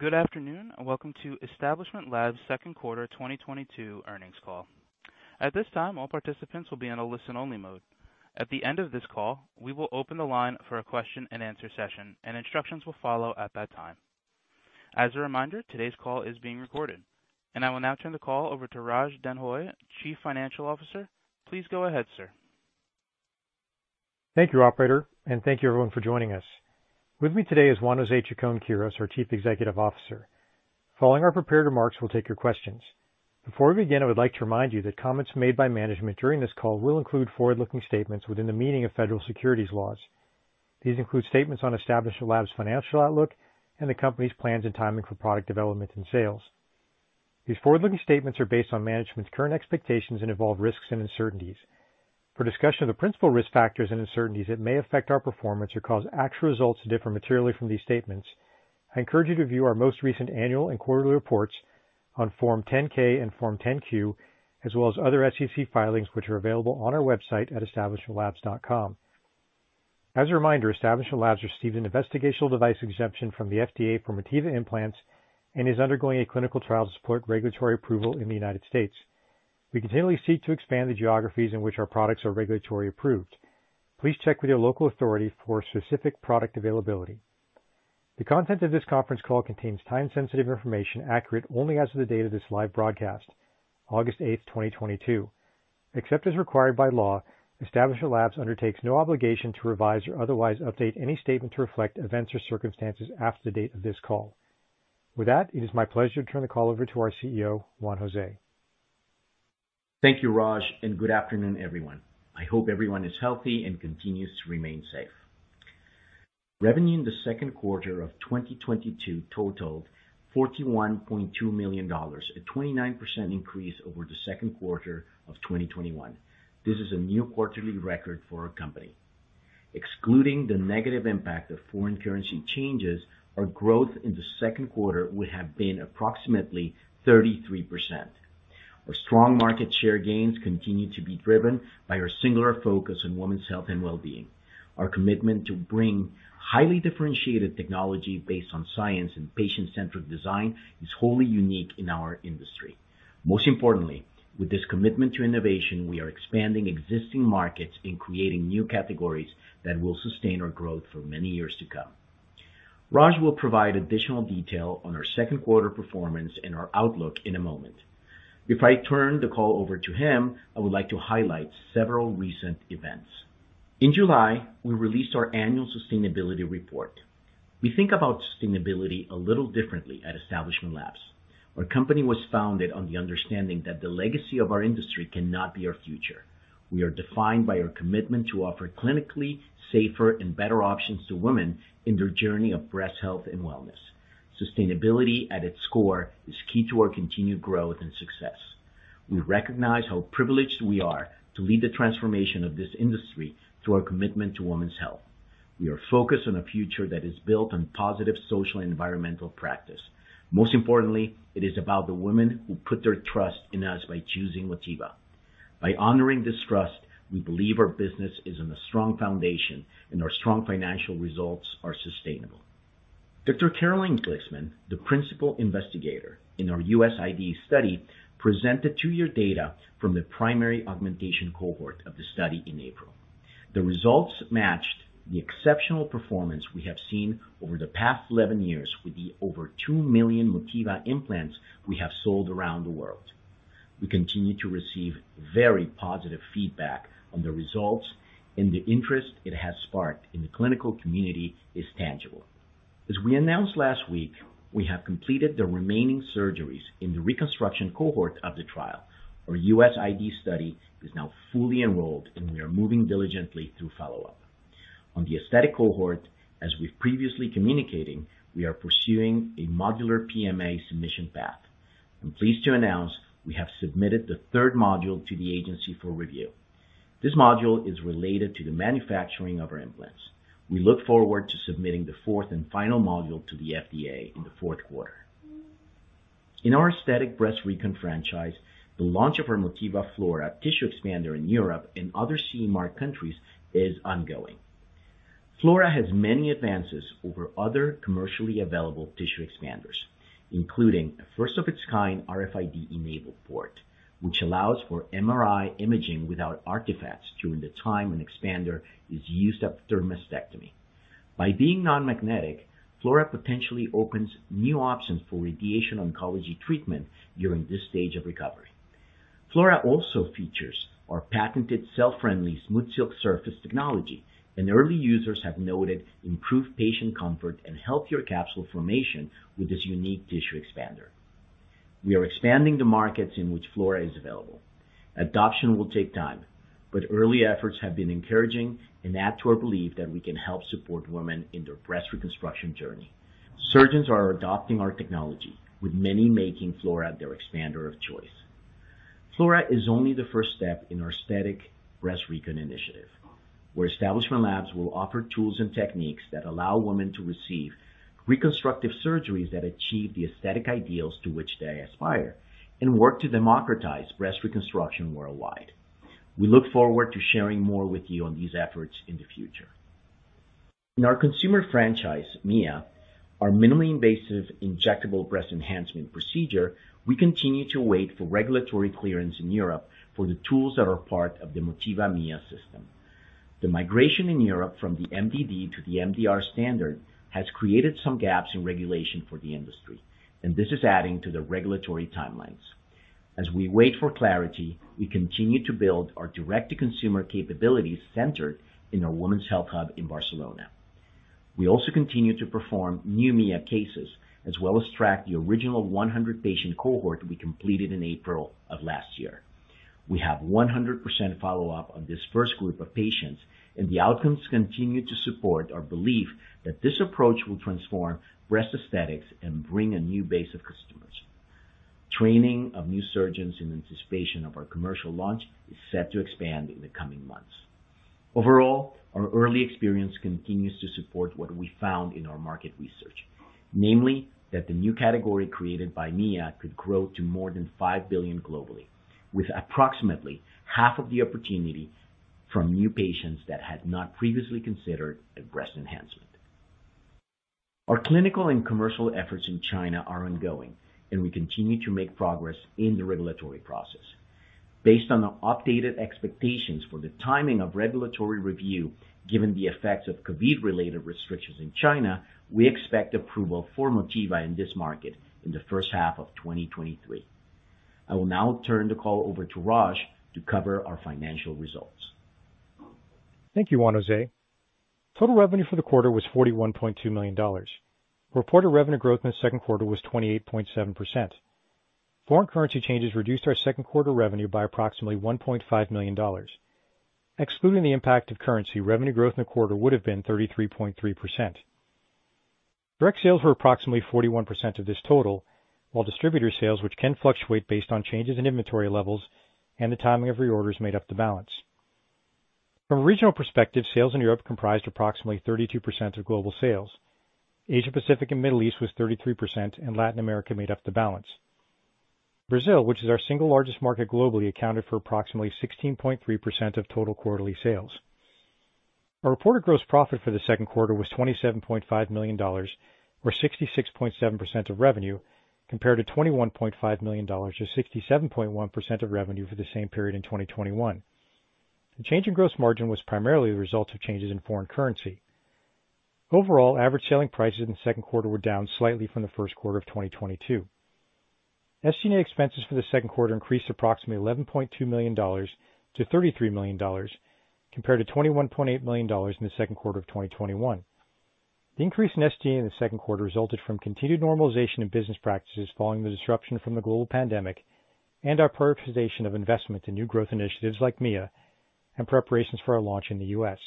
Good afternoon, and welcome to Establishment Labs second quarter 2022 earnings call. At this time, all participants will be in a listen-only mode. At the end of this call, we will open the line for a question-and-answer session, and instructions will follow at that time. As a reminder, today's call is being recorded. I will now turn the call over to Raj Denhoy, Chief Financial Officer. Please go ahead, sir. Thank you, operator, and thank you everyone for joining us. With me today is Juan José Chacón-Quirós, our Chief Executive Officer. Following our prepared remarks, we'll take your questions. Before we begin, I would like to remind you that comments made by management during this call will include forward-looking statements within the meaning of federal securities laws. These include statements on Establishment Labs financial outlook and the company's plans and timing for product development and sales. These forward-looking statements are based on management's current expectations and involve risks and uncertainties. For discussion of the principal risk factors and uncertainties that may affect our performance or cause actual results to differ materially from these statements, I encourage you to view our most recent annual and quarterly reports on Form 10-K and Form 10-Q, as well as other SEC filings, which are available on our website at establishmentlabs.com. As a reminder, Establishment Labs received an investigational device exemption from the FDA for Motiva implants and is undergoing a clinical trial to support regulatory approval in the United States. We continually seek to expand the geographies in which our products are regulatory approved. Please check with your local authority for specific product availability. The content of this conference call contains time-sensitive information accurate only as of the date of this live broadcast, August 8, 2022. Except as required by law, Establishment Labs undertakes no obligation to revise or otherwise update any statement to reflect events or circumstances after the date of this call. With that, it is my pleasure to turn the call over to our CEO, Juan José Chacón-Quirós. Thank you, Raj, and good afternoon, everyone. I hope everyone is healthy and continues to remain safe. Revenue in the second quarter of 2022 totaled $41.2 million, a 29% increase over the second quarter of 2021. This is a new quarterly record for our company. Excluding the negative impact of foreign currency changes, our growth in the second quarter would have been approximately 33%. Our strong market share gains continue to be driven by our singular focus on women's health and well-being. Our commitment to bring highly differentiated technology based on science and patient-centric design is wholly unique in our industry. Most importantly, with this commitment to innovation, we are expanding existing markets and creating new categories that will sustain our growth for many years to come. Raj will provide additional detail on our second quarter performance and our outlook in a moment. Before I turn the call over to him, I would like to highlight several recent events. In July, we released our annual sustainability report. We think about sustainability a little differently at Establishment Labs. Our company was founded on the understanding that the legacy of our industry cannot be our future. We are defined by our commitment to offer clinically safer and better options to women in their journey of breast health and wellness. Sustainability at its core is key to our continued growth and success. We recognize how privileged we are to lead the transformation of this industry through our commitment to women's health. We are focused on a future that is built on positive social and environmental practice. Most importantly, it is about the women who put their trust in us by choosing Motiva. By honoring this trust, we believe our business is on a strong foundation and our strong financial results are sustainable. Dr. Caroline Glicksman, the principal investigator in our US IDE study, presented 2-year data from the primary augmentation cohort of the study in April. The results matched the exceptional performance we have seen over the past 11 years with the over 2 million Motiva implants we have sold around the world. We continue to receive very positive feedback on the results, and the interest it has sparked in the clinical community is tangible. As we announced last week, we have completed the remaining surgeries in the reconstruction cohort of the trial. Our US IDE study is now fully enrolled, and we are moving diligently through follow-up. On the aesthetic cohort, as we've previously communicated, we are pursuing a modular PMA submission path. I'm pleased to announce we have submitted the third module to the agency for review. This module is related to the manufacturing of our implants. We look forward to submitting the fourth and final module to the FDA in the fourth quarter. In our aesthetic breast recon franchise, the launch of our Motiva Flora tissue expander in Europe and other CE Mark countries is ongoing. Flora has many advances over other commercially available tissue expanders, including a first-of-its-kind RFID-enabled port, which allows for MRI imaging without artifacts during the time an expander is used after mastectomy. By being non-magnetic, Flora potentially opens new options for radiation oncology treatment during this stage of recovery. Flora also features our patented cell-friendly SmoothSilk surface technology, and early users have noted improved patient comfort and healthier capsule formation with this unique tissue expander. We are expanding the markets in which Flora is available. Adoption will take time, but early efforts have been encouraging and add to our belief that we can help support women in their breast reconstruction journey. Surgeons are adopting our technology, with many making Flora their expander of choice. Flora is only the first step in our aesthetic breast recon initiative, where Establishment Labs will offer tools and techniques that allow women to receive reconstructive surgeries that achieve the aesthetic ideals to which they aspire and work to democratize breast reconstruction worldwide. We look forward to sharing more with you on these efforts in the future. In our consumer franchise, MIA, our minimally invasive injectable breast enhancement procedure, we continue to wait for regulatory clearance in Europe for the tools that are part of the Motiva MIA system. The migration in Europe from the MDD to the MDR standard has created some gaps in regulation for the industry, and this is adding to the regulatory timelines. As we wait for clarity, we continue to build our direct-to-consumer capabilities centered in our women's health hub in Barcelona. We also continue to perform new MIA cases as well as track the original 100 patient cohort we completed in April of last year. We have 100% follow-up on this first group of patients, and the outcomes continue to support our belief that this approach will transform breast aesthetics and bring a new base of customers. Training of new surgeons in anticipation of our commercial launch is set to expand in the coming months. Overall, our early experience continues to support what we found in our market research, namely that the new category created by MIA could grow to more than $5 billion globally, with approximately half of the opportunity from new patients that had not previously considered a breast enhancement. Our clinical and commercial efforts in China are ongoing and we continue to make progress in the regulatory process. Based on the updated expectations for the timing of regulatory review, given the effects of COVID-related restrictions in China, we expect approval for Motiva in this market in the first half of 2023. I will now turn the call over to Raj to cover our financial results. Thank you, Juan José. Total revenue for the quarter was $41.2 million. Reported revenue growth in the second quarter was 28.7%. Foreign currency changes reduced our second quarter revenue by approximately $1.5 million. Excluding the impact of currency, revenue growth in the quarter would have been 33.3%. Direct sales were approximately 41% of this total, while distributor sales, which can fluctuate based on changes in inventory levels and the timing of reorders, made up the balance. From a regional perspective, sales in Europe comprised approximately 32% of global sales. Asia Pacific and Middle East was 33%, and Latin America made up the balance. Brazil, which is our single largest market globally, accounted for approximately 16.3% of total quarterly sales. Our reported gross profit for the second quarter was $27.5 million, or 66.7% of revenue, compared to $21.5 million or 67.1% of revenue for the same period in 2021. The change in gross margin was primarily the result of changes in foreign currency. Overall, average selling prices in the second quarter were down slightly from the first quarter of 2022. SG&A expenses for the second quarter increased approximately $11.2 million-$33 million, compared to $21.8 million in the second quarter of 2021. The increase in SG&A in the second quarter resulted from continued normalization in business practices following the disruption from the global pandemic and our prioritization of investment in new growth initiatives like MIA and preparations for our launch in the U.S.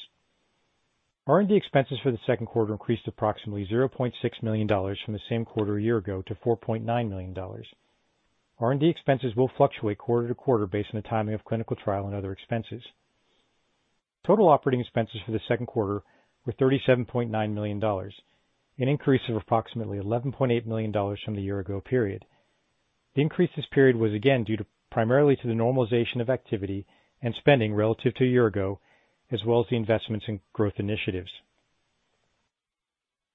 R&D expenses for the second quarter increased approximately $0.6 million from the same quarter a year ago to $4.9 million. R&D expenses will fluctuate quarter to quarter based on the timing of clinical trial and other expenses. Total operating expenses for the second quarter were $37.9 million, an increase of approximately $11.8 million from the year ago period. The increase this period was again due primarily to the normalization of activity and spending relative to a year ago, as well as the investments in growth initiatives.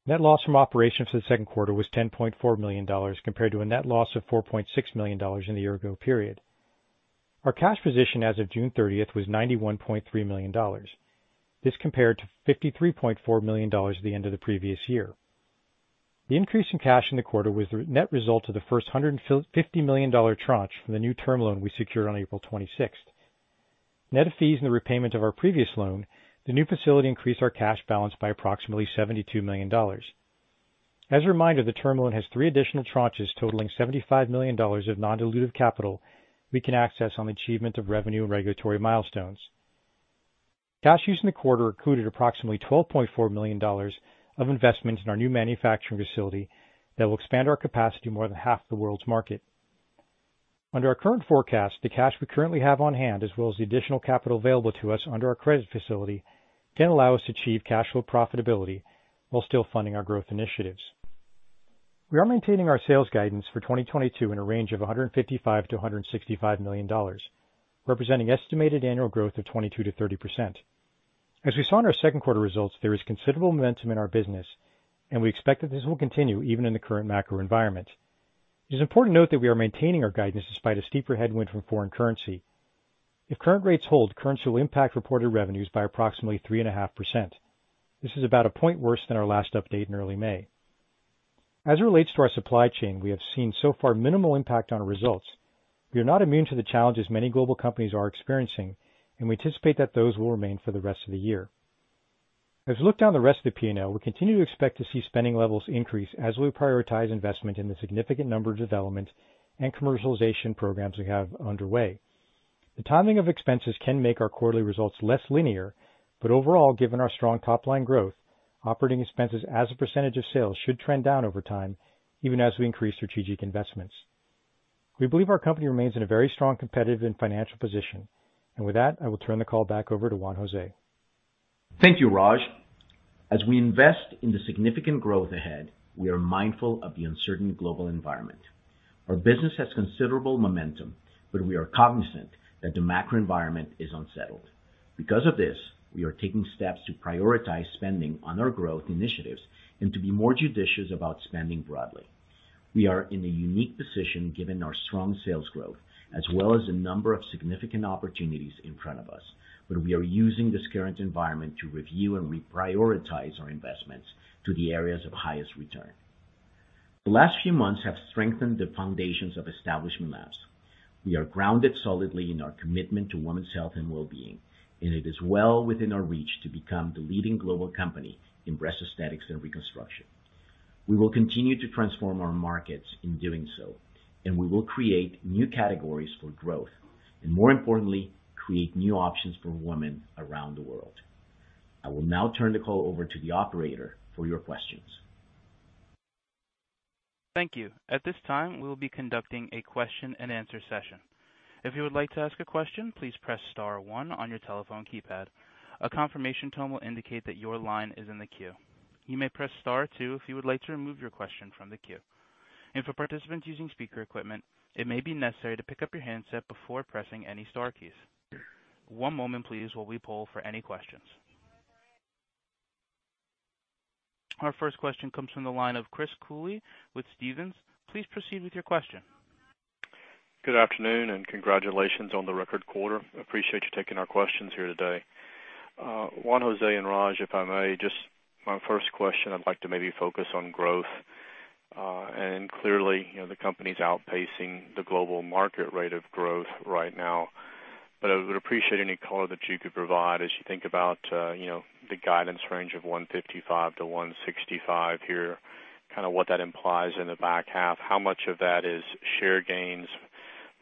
Net loss from operations for the second quarter was $10.4 million, compared to a net loss of $4.6 million in the year ago period. Our cash position as of June thirtieth was $91.3 million. This compared to $53.4 million at the end of the previous year. The increase in cash in the quarter was the net result of the first $150 million tranche from the new term loan we secured on April 26th. Net of fees and the repayment of our previous loan, the new facility increased our cash balance by approximately $72 million. As a reminder, the term loan has three additional tranches totaling $75 million of non-dilutive capital we can access on the achievement of revenue and regulatory milestones. Cash used in the quarter included approximately $12.4 million of investment in our new manufacturing facility that will expand our capacity more than half the world's market. Under our current forecast, the cash we currently have on hand, as well as the additional capital available to us under our credit facility, can allow us to achieve cash flow profitability while still funding our growth initiatives. We are maintaining our sales guidance for 2022 in a range of $155 million-$165 million, representing estimated annual growth of 22%-30%. As we saw in our second quarter results, there is considerable momentum in our business and we expect that this will continue even in the current macro environment. It is important to note that we are maintaining our guidance despite a steeper headwind from foreign currency. If current rates hold, currency will impact reported revenues by approximately 3.5%. This is about a point worse than our last update in early May. As it relates to our supply chain, we have seen so far minimal impact on our results. We are not immune to the challenges many global companies are experiencing and we anticipate that those will remain for the rest of the year. As we look down the rest of the P&L, we continue to expect to see spending levels increase as we prioritize investment in the significant number of development and commercialization programs we have underway. The timing of expenses can make our quarterly results less linear, but overall, given our strong top line growth, operating expenses as a percentage of sales should trend down over time even as we increase strategic investments. We believe our company remains in a very strong, competitive, and financial position. With that, I will turn the call back over to Juan José. Thank you, Raj. As we invest in the significant growth ahead, we are mindful of the uncertain global environment. Our business has considerable momentum, but we are cognizant that the macro environment is unsettled. Because of this, we are taking steps to prioritize spending on our growth initiatives and to be more judicious about spending broadly. We are in a unique position given our strong sales growth, as well as a number of significant opportunities in front of us, but we are using this current environment to review and reprioritize our investments to the areas of highest return. The last few months have strengthened the foundations of Establishment Labs. We are grounded solidly in our commitment to women's health and well-being, and it is well within our reach to become the leading global company in breast aesthetics and reconstruction. We will continue to transform our markets in doing so, and we will create new categories for growth, and more importantly, create new options for women around the world. I will now turn the call over to the operator for your questions. Thank you. At this time, we will be conducting a question-and-answer session. If you would like to ask a question, please press star one on your telephone keypad. A confirmation tone will indicate that your line is in the queue. You may press star two if you would like to remove your question from the queue. For participants using speaker equipment, it may be necessary to pick up your handset before pressing any star keys. One moment, please, while we poll for any questions. Our first question comes from the line of Chris Cooley with Stephens. Please proceed with your question. Good afternoon, and congratulations on the record quarter. Appreciate you taking our questions here today. Juan Jose and Raj, if I may, just my first question, I'd like to maybe focus on growth. Clearly, you know, the company's outpacing the global market rate of growth right now. I would appreciate any color that you could provide as you think about, you know, the guidance range of $155-$165 here, kind of what that implies in the back half. How much of that is share gains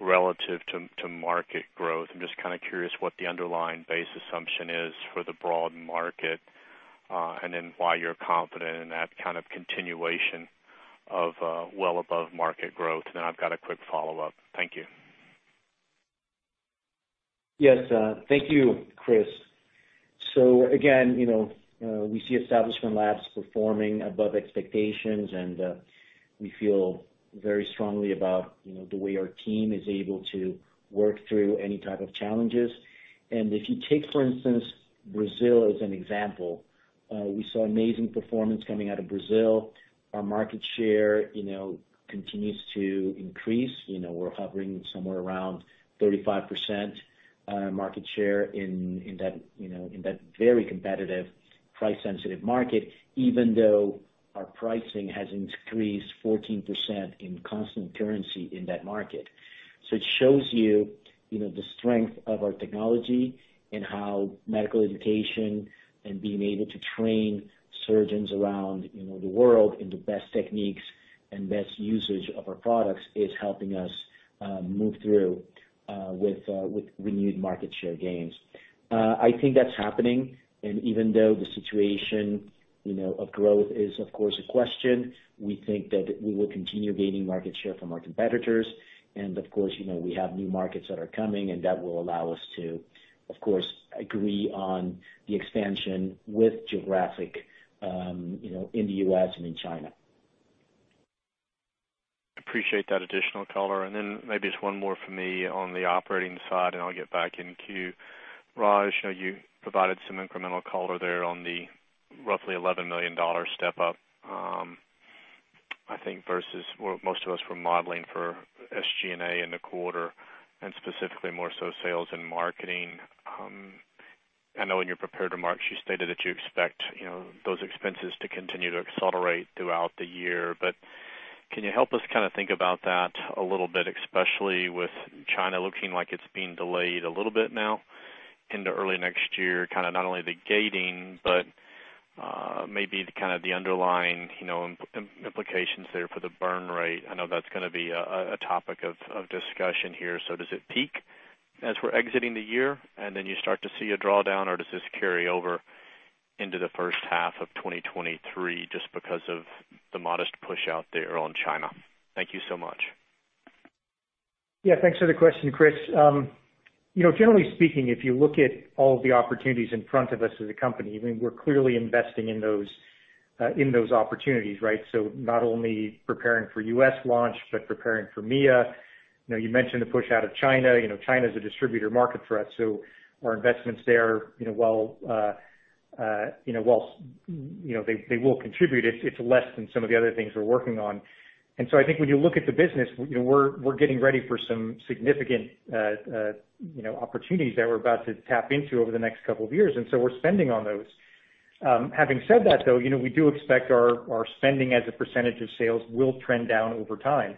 relative to market growth? I'm just kind of curious what the underlying base assumption is for the broad market, and then why you're confident in that kind of continuation of, well above market growth. Then I've got a quick follow-up. Thank you. Yes. Thank you, Chris. Again, you know, we see Establishment Labs performing above expectations, and we feel very strongly about, you know, the way our team is able to work through any type of challenges. If you take, for instance, Brazil as an example, we saw amazing performance coming out of Brazil. Our market share, you know, continues to increase. You know, we're hovering somewhere around 35% market share in that very competitive, price-sensitive market, even though our pricing has increased 14% in constant currency in that market. It shows you know, the strength of our technology and how medical education and being able to train surgeons around, you know, the world in the best techniques and best usage of our products is helping us move through with renewed market share gains. I think that's happening. Even though the situation, you know, of growth is, of course, a question, we think that we will continue gaining market share from our competitors. Of course, you know, we have new markets that are coming, and that will allow us to, of course, agree on the expansion with geographic, you know, in the U.S. and in China. Appreciate that additional color. Then maybe just one more from me on the operating side, and I'll get back in queue. Raj, you know, you provided some incremental color there on the roughly $11 million step up, I think versus what most of us were modeling for SG&A in the quarter and specifically more so sales and marketing. I know in your prepared remarks, you stated that you expect, you know, those expenses to continue to accelerate throughout the year. Can you help us kind of think about that a little bit, especially with China looking like it's being delayed a little bit now into early next year, kind of not only the gating, but maybe kind of the underlying, you know, implications there for the burn rate? I know that's gonna be a topic of discussion here. Does it peak as we're exiting the year, and then you start to see a drawdown, or does this carry over into the first half of 2023 just because of the modest push out there on China? Thank you so much. Yeah. Thanks for the question, Chris. You know, generally speaking, if you look at all the opportunities in front of us as a company, I mean, we're clearly investing in those in those opportunities, right? So not only preparing for U.S. launch, but preparing for MIA. You know, you mentioned the push out of China. You know, China's a distributor market for us, so our investments there, you know, while they will contribute, it's less than some of the other things we're working on. So I think when you look at the business, you know, we're getting ready for some significant opportunities that we're about to tap into over the next couple of years, and so we're spending on those. Having said that, though, you know, we do expect our spending as a percentage of sales will trend down over time.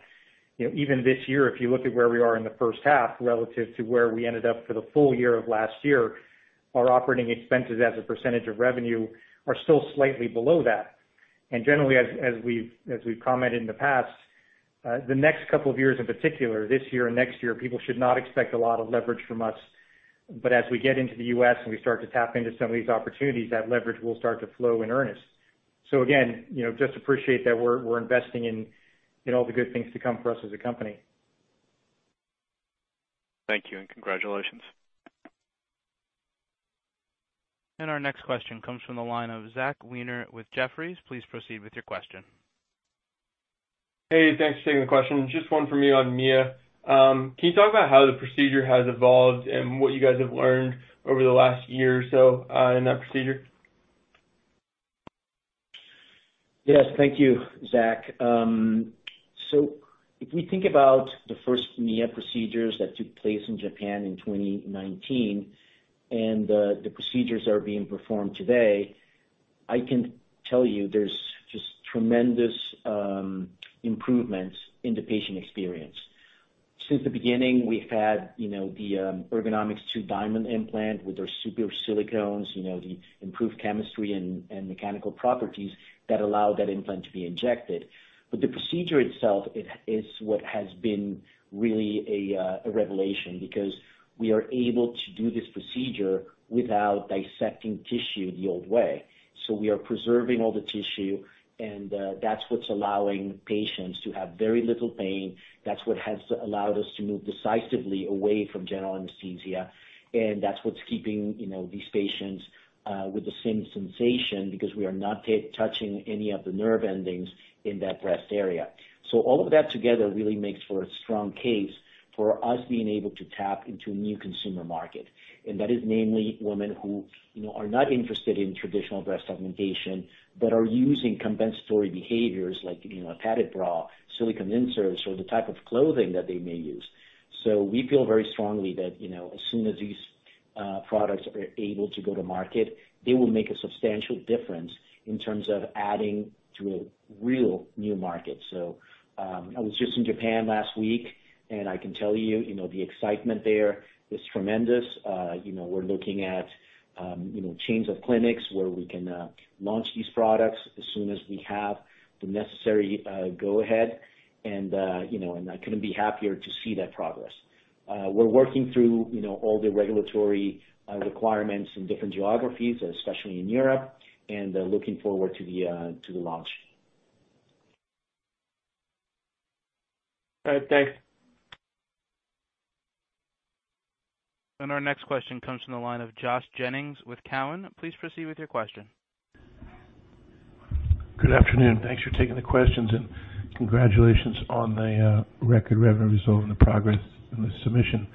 You know, even this year, if you look at where we are in the first half relative to where we ended up for the full year of last year, our operating expenses as a percentage of revenue are still slightly below that. Generally, as we've commented in the past, the next couple of years in particular, this year and next year, people should not expect a lot of leverage from us. As we get into the US and we start to tap into some of these opportunities, that leverage will start to flow in earnest. Again, you know, just appreciate that we're investing in all the good things to come for us as a company. Thank you and congratulations. Our next question comes from the line of Zachary Weiner with Jefferies. Please proceed with your question. Hey, thanks for taking the question. Just one for me on MIA. Can you talk about how the procedure has evolved and what you guys have learned over the last year or so, in that procedure? Yes, thank you, Zach. So if we think about the first MIA procedures that took place in Japan in 2019 and the procedures that are being performed today, I can tell you there's just tremendous improvements in the patient experience. Since the beginning, we've had, you know, the Ergonomix2 Diamond implant with their super silicones, you know, the improved chemistry and mechanical properties that allow that implant to be injected. But the procedure itself is what has been really a revelation because we are able to do this procedure without dissecting tissue the old way. We are preserving all the tissue and that's what's allowing patients to have very little pain. That's what has allowed us to move decisively away from general anesthesia, and that's what's keeping, you know, these patients with the same sensation because we are not touching any of the nerve endings in that breast area. All of that together really makes for a strong case for us being able to tap into a new consumer market. That is namely women who, you know, are not interested in traditional breast augmentation but are using compensatory behaviors like, you know, a padded bra, silicone inserts or the type of clothing that they may use. We feel very strongly that, you know, as soon as these products are able to go to market, they will make a substantial difference in terms of adding to a real new market. I was just in Japan last week, and I can tell you know, the excitement there is tremendous. You know, we're looking at, you know, chains of clinics where we can launch these products as soon as we have the necessary go ahead. You know, I couldn't be happier to see that progress. We're working through, you know, all the regulatory requirements in different geographies, especially in Europe, and looking forward to the launch. All right. Thanks. Our next question comes from the line of Josh Jennings with Cowen. Please proceed with your question. Good afternoon. Thanks for taking the questions and congratulations on the record revenue result and the progress in the submission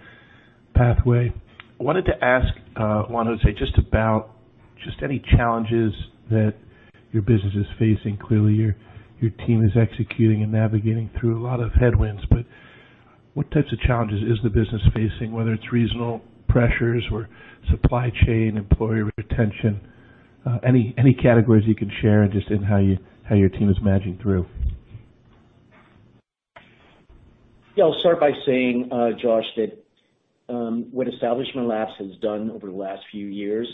pathway. I wanted to ask, Juan José Chacón-Quirós, just about any challenges that your business is facing. Clearly, your team is executing and navigating through a lot of headwinds, but what types of challenges is the business facing, whether it's regional pressures or supply chain, employee retention? Any categories you can share just in how you, how your team is managing through? Yeah, I'll start by saying, Josh, that what Establishment Labs has done over the last few years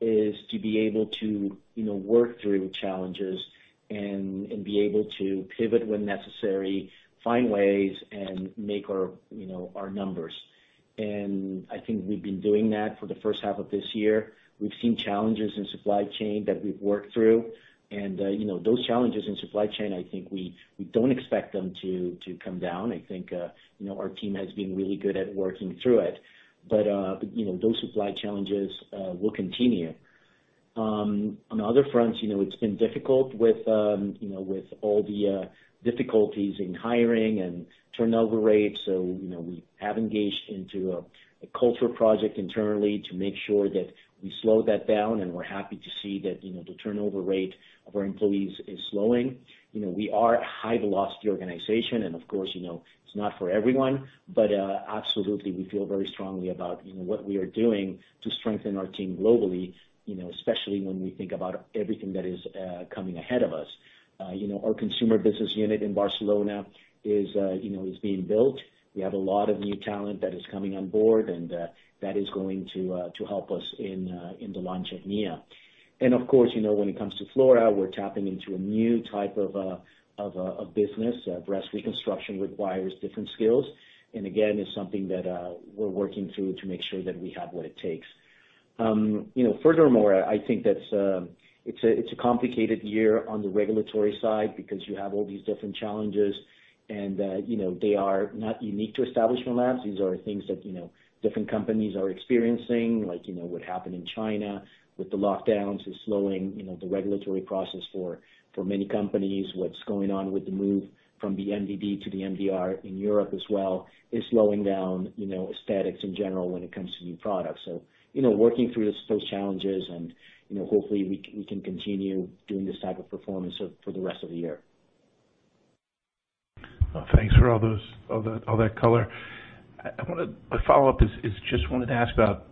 is to be able to, you know, work through challenges and be able to pivot when necessary, find ways and make our, you know, our numbers. I think we've been doing that for the first half of this year. We've seen challenges in supply chain that we've worked through. You know, those challenges in supply chain, I think we don't expect them to come down. I think, you know, our team has been really good at working through it. You know, those supply challenges will continue. On other fronts, you know, it's been difficult with, you know, with all the difficulties in hiring and turnover rates. You know, we have engaged into a culture project internally to make sure that we slow that down and we're happy to see that, you know, the turnover rate of our employees is slowing. You know, we are a high velocity organization and of course, you know, it's not for everyone. But absolutely, we feel very strongly about, you know, what we are doing to strengthen our team globally, you know, especially when we think about everything that is coming ahead of us. You know, our consumer business unit in Barcelona is being built. We have a lot of new talent that is coming on board, and that is going to help us in the launch of MIA. Of course, you know, when it comes to Flora, we're tapping into a new type of a business. Breast reconstruction requires different skills. Again, it's something that we're working through to make sure that we have what it takes. You know, furthermore, I think that it's a complicated year on the regulatory side because you have all these different challenges and, you know, they are not unique to Establishment Labs. These are things that, you know, different companies are experiencing, like, you know, what happened in China with the lockdowns is slowing the regulatory process for many companies. What's going on with the move from the MDD to the MDR in Europe as well is slowing down, you know, aesthetics in general when it comes to new products. you know, working through those challenges and, you know, hopefully we can continue doing this type of performance for the rest of the year. Thanks for all that color. My follow-up is just wanted to ask about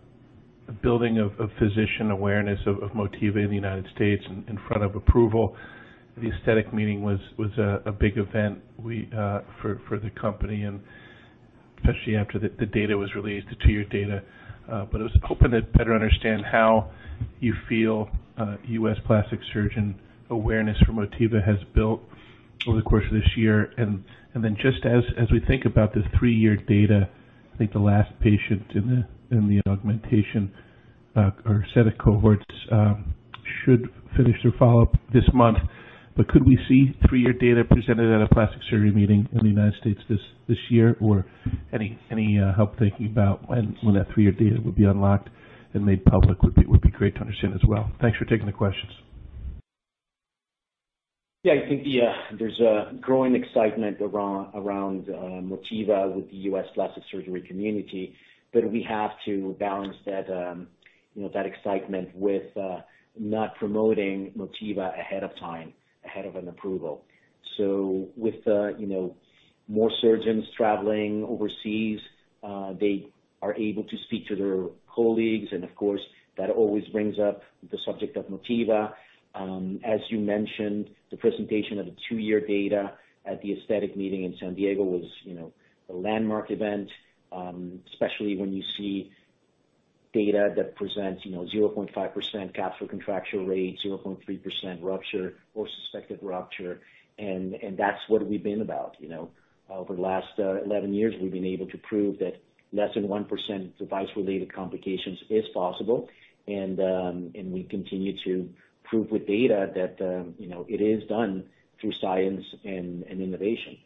the building of physician awareness of Motiva in the United States in front of approval. The aesthetic meeting was a big event for the company and especially after the data was released, the two-year data. But I was hoping to better understand how you feel, U.S. plastic surgeon awareness for Motiva has built over the course of this year. Then just as we think about the three-year data, I think the last patient in the augmentation or set of cohorts. Should finish their follow-up this month, but could we see three-year data presented at a plastic surgery meeting in the United States this year? Or any help thinking about when that three-year data would be unlocked and made public would be great to understand as well. Thanks for taking the questions. I think there's a growing excitement around Motiva with the U.S. plastic surgery community, but we have to balance that, you know, that excitement with not promoting Motiva ahead of time, ahead of an approval. With you know, more surgeons traveling overseas, they are able to speak to their colleagues, and of course, that always brings up the subject of Motiva. As you mentioned, the presentation of the 2-year data at the Aesthetic Meeting in San Diego was, you know, a landmark event, especially when you see data that presents, you know, 0.5% capsule contracture rate, 0.3% rupture or suspected rupture. That's what we've been about, you know. Over the last 11 years, we've been able to prove that less than 1% device-related complications is possible, and we continue to prove with data that you know, it is done through science and innovation.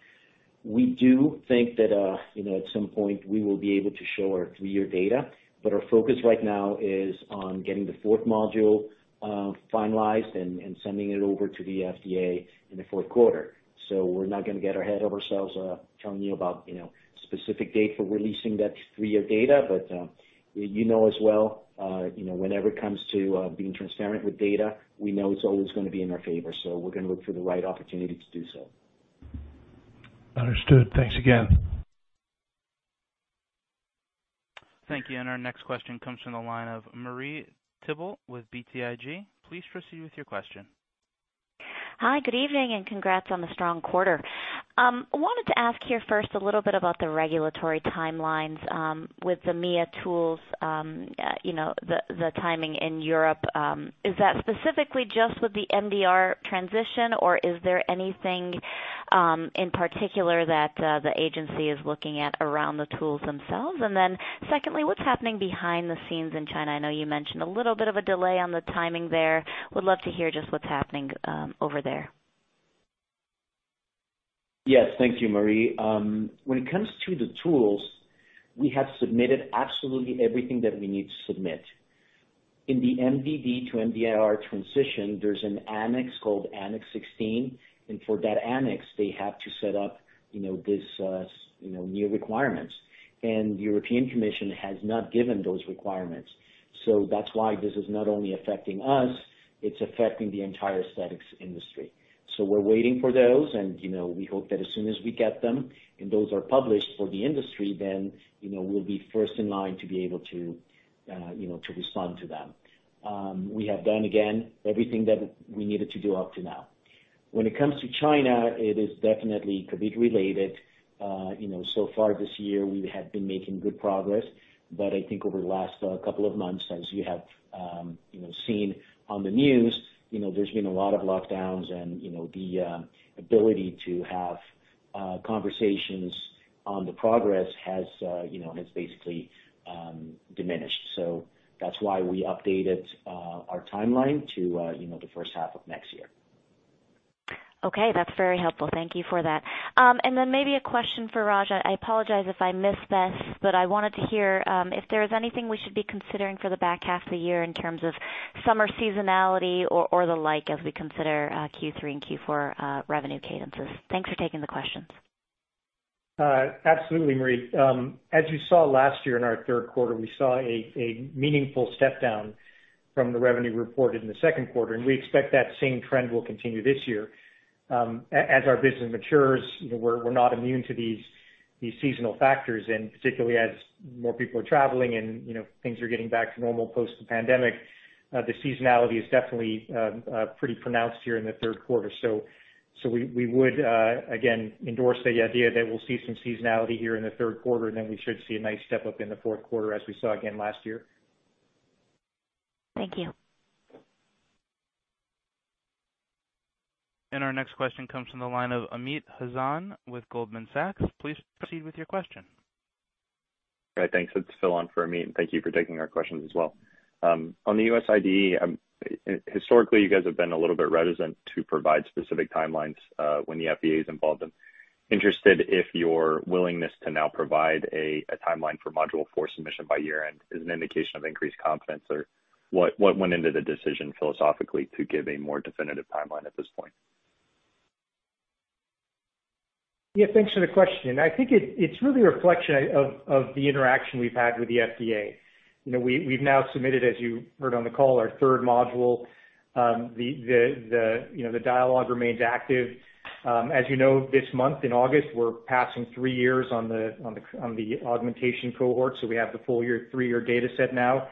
We do think that you know, at some point, we will be able to show our three-year data, but our focus right now is on getting the fourth module finalized and sending it over to the FDA in the fourth quarter. We're not gonna get ahead of ourselves telling you about you know, specific date for releasing that three-year data. You know as well you know, whenever it comes to being transparent with data, we know it's always gonna be in our favor, so we're gonna look for the right opportunity to do so. Understood. Thanks again. Thank you. Our next question comes from the line of Marie Thibault with BTIG. Please proceed with your question. Hi, good evening, and congrats on the strong quarter. Wanted to ask here first a little bit about the regulatory timelines with the MIA tools, the timing in Europe, is that specifically just with the MDR transition, or is there anything in particular that the agency is looking at around the tools themselves? Secondly, what's happening behind the scenes in China? I know you mentioned a little bit of a delay on the timing there. Would love to hear just what's happening over there. Yes. Thank you, Marie. When it comes to the tools, we have submitted absolutely everything that we need to submit. In the MDD to MDR transition, there's an annex called Annex XVI, and for that annex, they have to set up, you know, this, you know, new requirements. The European Commission has not given those requirements. That's why this is not only affecting us, it's affecting the entire aesthetics industry. We're waiting for those, and, you know, we hope that as soon as we get them, and those are published for the industry, then, you know, we'll be first in line to be able to, you know, to respond to them. We have done, again, everything that we needed to do up to now. When it comes to China, it is definitely COVID related. You know, so far this year, we have been making good progress, but I think over the last couple of months, as you have you know seen on the news, you know, there's been a lot of lockdowns and, you know, the ability to have conversations on the progress has you know basically diminished. That's why we updated our timeline to you know the first half of next year. Okay. That's very helpful. Thank you for that. And then maybe a question for Raj. I apologize if I missed this, but I wanted to hear if there is anything we should be considering for the back half of the year in terms of summer seasonality or the like, as we consider Q3 and Q4 revenue cadences? Thanks for taking the questions. Absolutely, Marie. As you saw last year in our third quarter, we saw a meaningful step down from the revenue reported in the second quarter, and we expect that same trend will continue this year. As our business matures, you know, we're not immune to these seasonal factors. Particularly as more people are traveling and, you know, things are getting back to normal post the pandemic, the seasonality is definitely pretty pronounced here in the third quarter. We would again endorse the idea that we'll see some seasonality here in the third quarter, and then we should see a nice step up in the fourth quarter as we saw again last year. Thank you. Our next question comes from the line of Amit Hazan with Goldman Sachs. Please proceed with your question. Right. Thanks. It's Phil on for Amit, and thank you for taking our questions as well. On the US IDE, historically, you guys have been a little bit reticent to provide specific timelines, when the FDA is involved and interested. If your willingness to now provide a timeline for module 4 submission by year-end is an indication of increased confidence or what went into the decision philosophically to give a more definitive timeline at this point? Yeah, thanks for the question. I think it's really a reflection of the interaction we've had with the FDA. You know, we've now submitted, as you heard on the call, our third module. You know, the dialogue remains active. As you know, this month in August, we're passing three years on the augmentation cohort, so we have the full year, three-year data set now.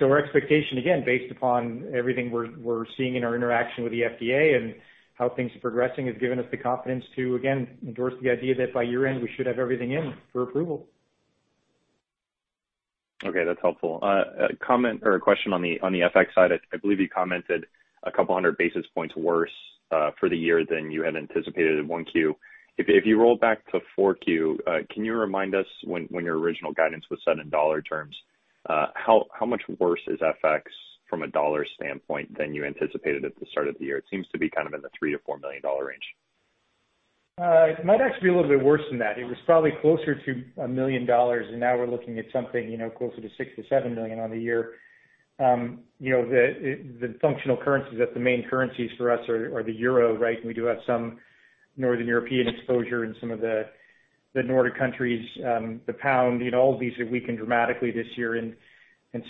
Our expectation, again, based upon everything we're seeing in our interaction with the FDA and how things are progressing, has given us the confidence to, again, endorse the idea that by year-end, we should have everything in for approval. Okay, that's helpful. A comment or a question on the FX side. I believe you commented 200 basis points worse for the year than you had anticipated at 1Q. If you roll back to 4Q, can you remind us when your original guidance was set in dollar terms, how much worse is FX from a dollar standpoint than you anticipated at the start of the year? It seems to be kind of in the $3 million-$4 million range. It might actually be a little bit worse than that. It was probably closer to $1 million, and now we're looking at something, you know, closer to $6 million-$7 million on the year. The functional currencies, the main currencies for us are the euro, right? We do have some Northern European exposure in some of the Nordic countries, the pound, you know, all of these have weakened dramatically this year.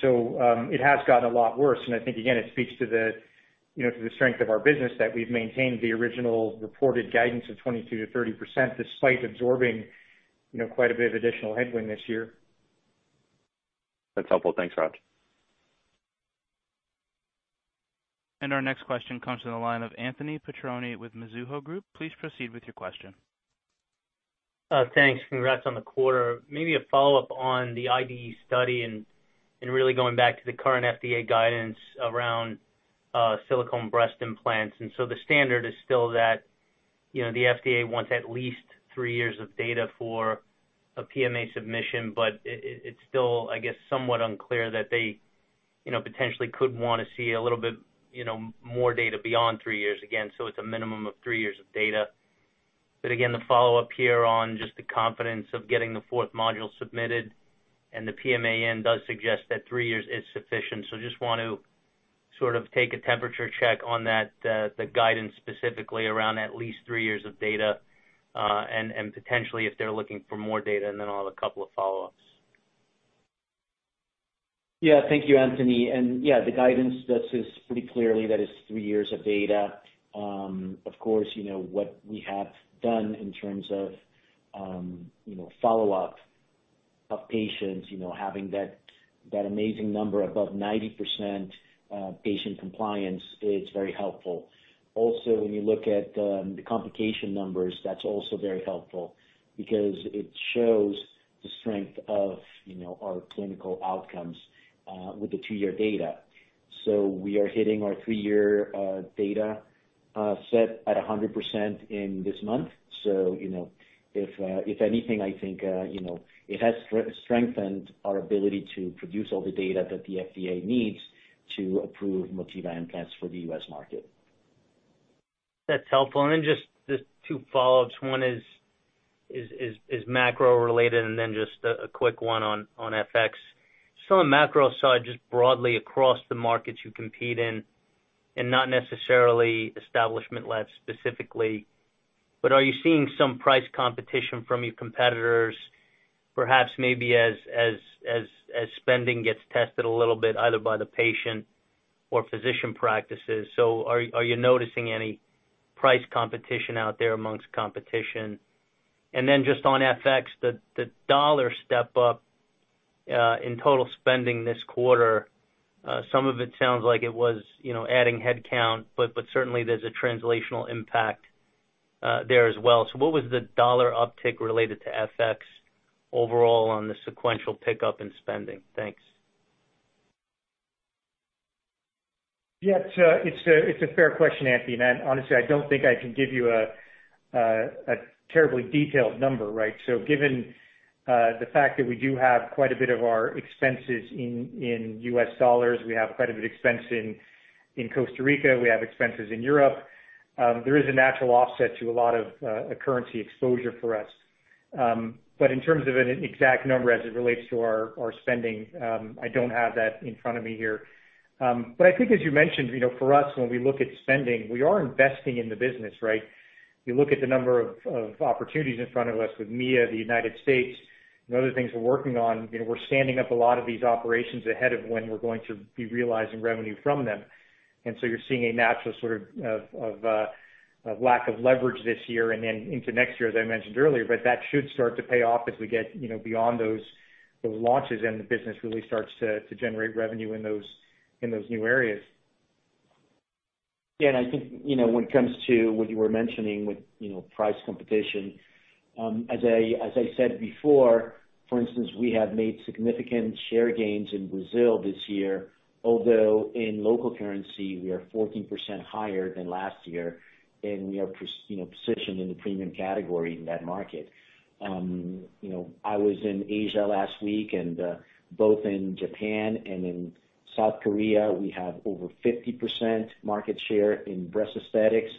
So, it has gotten a lot worse. I think, again, it speaks to the strength of our business that we've maintained the original reported guidance of 22%-30% despite absorbing, you know, quite a bit of additional headwind this year. That's helpful. Thanks, Raj. Our next question comes to the line of Anthony Petrone with Mizuho. Please proceed with your question. Thanks. Congrats on the quarter. Maybe a follow-up on the IDE study and really going back to the current FDA guidance around silicone breast implants. The standard is still that, you know, the FDA wants at least three years of data for a PMA submission, but it's still, I guess, somewhat unclear that they, you know, potentially could wanna see a little bit, you know, more data beyond three years again, so it's a minimum of three years of data. Again, the follow-up here on just the confidence of getting the fourth module submitted and the PMA does suggest that three years is sufficient. Just want to sort of take a temperature check on that, the guidance specifically around at least three years of data, and potentially if they're looking for more data, and then I'll have a couple of follow-ups. Yeah. Thank you, Anthony. Yeah, the guidance that says pretty clearly that it's three years of data. Of course, you know, what we have done in terms of, you know, follow-up of patients, you know, having that amazing number above 90%, patient compliance is very helpful. Also, when you look at the complication numbers, that's also very helpful because it shows the strength of, you know, our clinical outcomes with the two-year data. We are hitting our three-year data set at 100% in this month. You know, if anything, I think, you know, it has strengthened our ability to produce all the data that the FDA needs to approve Motiva implants for the U.S. market. That's helpful. Just two follow-ups. One is macro-related, and then just a quick one on FX. On the macro side, just broadly across the markets you compete in and not necessarily Establishment Labs specifically, but are you seeing some price competition from your competitors, perhaps maybe as spending gets tested a little bit either by the patient or physician practices? Are you noticing any price competition out there amongst competition? Just on FX, the dollar step-up in total spending this quarter, some of it sounds like it was, you know, adding headcount, but certainly there's a translational impact there as well. What was the dollar uptick related to FX overall on the sequential pickup in spending? Thanks. Yeah. It's a fair question, Anthony. Honestly, I don't think I can give you a terribly detailed number, right? Given the fact that we do have quite a bit of our expenses in U.S. dollars, we have quite a bit expense in Costa Rica, we have expenses in Europe, there is a natural offset to a lot of currency exposure for us. But in terms of an exact number as it relates to our spending, I don't have that in front of me here. But I think as you mentioned, you know, for us, when we look at spending, we are investing in the business, right? You look at the number of opportunities in front of us with MIA, the United States, and other things we're working on. You know, we're standing up a lot of these operations ahead of when we're going to be realizing revenue from them. You're seeing a natural sort of lack of leverage this year and then into next year, as I mentioned earlier. That should start to pay off as we get, you know, beyond those launches and the business really starts to generate revenue in those new areas. Yeah. I think, you know, when it comes to what you were mentioning with, you know, price competition, as I said before, for instance, we have made significant share gains in Brazil this year, although in local currency, we are 14% higher than last year, and we are, you know, positioned in the premium category in that market. You know, I was in Asia last week, and both in Japan and in South Korea, we have over 50% market share in breast aesthetics,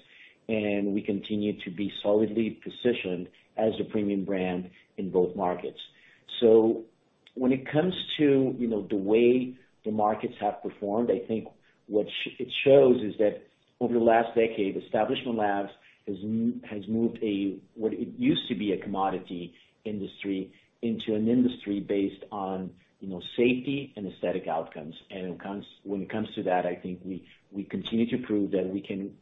and we continue to be solidly positioned as a premium brand in both markets. When it comes to, you know, the way the markets have performed, I think what it shows is that over the last decade, Establishment Labs has moved what it used to be a commodity industry into an industry based on, you know, safety and aesthetic outcomes. When it comes to that, I think we continue to prove that we can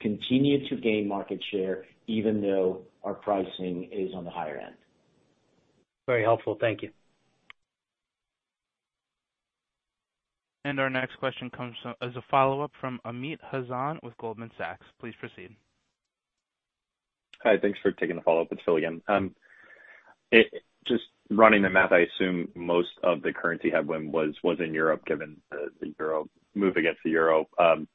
continue to gain market share even though our pricing is on the higher end. Very helpful. Thank you. Our next question comes from, as a follow-up from Amit Hazan with Goldman Sachs. Please proceed. Hi. Thanks for taking the follow-up. It's Phil again. Just running the math, I assume most of the currency headwind was in Europe, given the euro move against the dollar.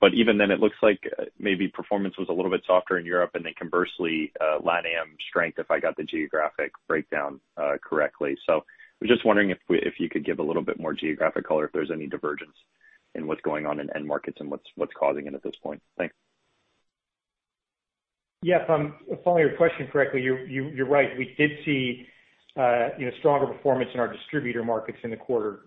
But even then it looks like maybe performance was a little bit softer in Europe and then conversely, Lat Am strength, if I got the geographic breakdown correctly. I'm just wondering if you could give a little bit more geographic color, if there's any divergence in what's going on in end markets and what's causing it at this point. Thanks. Yeah. If I'm following your question correctly, you're right. We did see you know, stronger performance in our distributor markets in the quarter,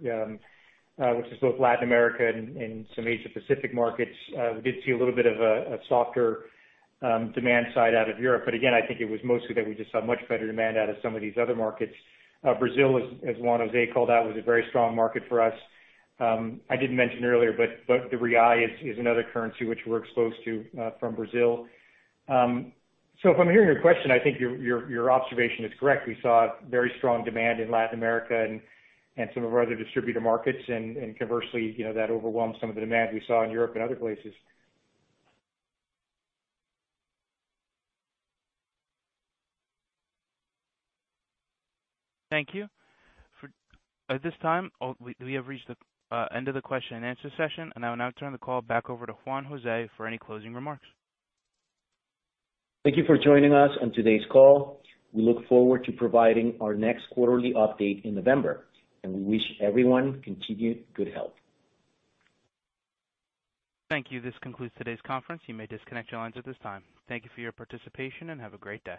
which is both Latin America and some Asia-Pacific markets. We did see a little bit of a softer demand side out of Europe. Again, I think it was mostly that we just saw much better demand out of some of these other markets. Brazil, as Juan José called out, was a very strong market for us. I didn't mention earlier, but the real is another currency which we're exposed to from Brazil. So if I'm hearing your question, I think your observation is correct. We saw very strong demand in Latin America and some of our other distributor markets. Conversely, you know, that overwhelmed some of the demand we saw in Europe and other places. Thank you. At this time, we have reached the end of the question and answer session. I will now turn the call back over to Juan José for any closing remarks. Thank you for joining us on today's call. We look forward to providing our next quarterly update in November, and we wish everyone continued good health. Thank you. This concludes today's conference. You may disconnect your lines at this time. Thank you for your participation, and have a great day.